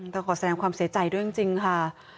ต้องขอแสดงความเสียใจด้วยจริงค่ะ